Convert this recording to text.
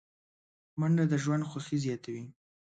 منډه د ژوند خوښي زیاتوي